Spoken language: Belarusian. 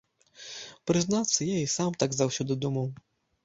Прызнацца, я і сам так заўсёды думаў.